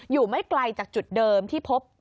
อยู่ไม่ไกลจากจุดเดิมที่พบ